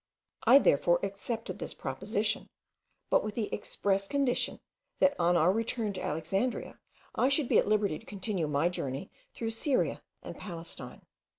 I therefore accepted this proposition, but with the express condition, that on our return to Alexandria I should be at liberty to continue my journey through Syria and Palestine.